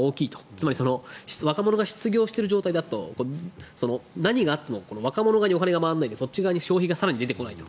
つまり若者が失業している状態だと何があっても若者にお金が回らないでそっち側に消費が更に出てこないと。